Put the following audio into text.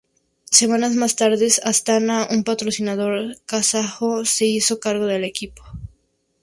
Semanas más tarde, Astaná, un patrocinador kazajo, se hizo cargo del equipo.